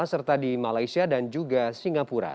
serta di malaysia dan juga singapura